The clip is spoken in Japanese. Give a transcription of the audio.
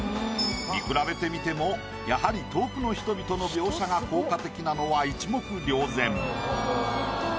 見比べてみてもやはり遠くの人々の描写が効果的なのは一目瞭然。